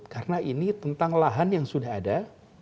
karena ini tentang lahan yang sudah ada